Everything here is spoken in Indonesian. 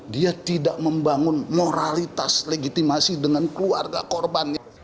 dia tidak membangun moralitas legitimasi dengan keluarga korbannya